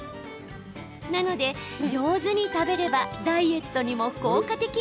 なので、上手に食べればダイエットにも効果的。